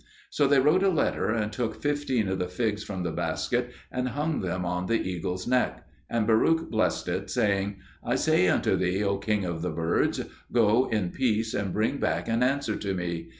So they wrote a letter, and took fifteen of the figs from the basket and hung them on the eagle's neck; and Baruch blessed it, saying, "I say unto thee, O king of the birds, go in peace, and bring back an answer to me.